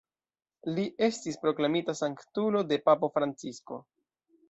La li estis proklamita sanktulo de papo Francisko.